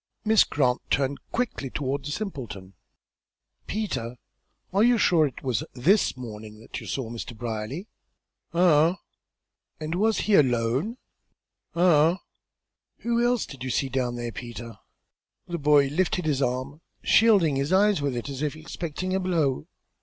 Miss Grant turned quickly toward the simpleton. "Peter, you are sure it was this morning that you saw Mr. Brierly?" "Uh hum." "And, was he alone?" "Uh hum." "Who else did you see down there, Peter?" The boy lifted his arm, shielding his eyes with it as if expecting a blow.